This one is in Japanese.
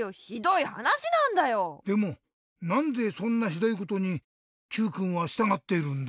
でもなんでそんなひどいことにＱくんはしたがってるんだ？